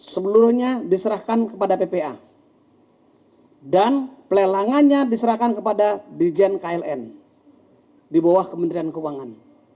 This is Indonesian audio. seluruhnya diserahkan kepada ppa dan pelelangannya diserahkan kepada dirjen kln di bawah kementerian keuangan